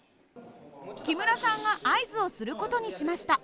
木村さんが合図をする事にしました。